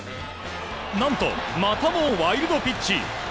何と、またもワイルドピッチ。